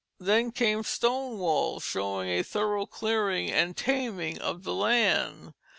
Then came stone walls, showing a thorough clearing and taming of the land.